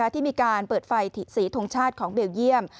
ที่มีการเปิดไฟสีทงชาติของเบลเยี่ยม